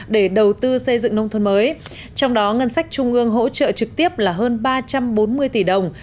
để đầu tư xây dựng nông thôn mới trong đó ngân sách trung ương hỗ trợ trực tiếp là hơn ba trăm bốn mươi tỷ đồng